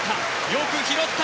よく拾った。